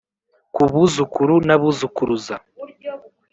ku buzukuru n abuzukuruza